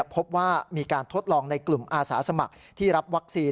พบว่ามีการทดลองในกลุ่มอาสาสมัครที่รับวัคซีน